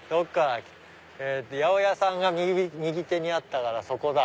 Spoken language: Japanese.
えっと八百屋さんが右手にあったからそこだ。